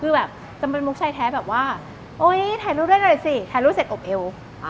คือแบบจะเป็นมุกชายแท้แบบว่าโอ๊ยถ่ายรูปด้วยหน่อยสิถ่ายรูปเสร็จอบเอว